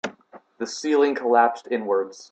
The ceiling collapsed inwards.